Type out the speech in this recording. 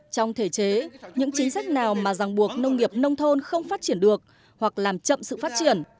trong thể chế những chính sách nào mà ràng buộc nông nghiệp nông thôn không phát triển được hoặc làm chậm sự phát triển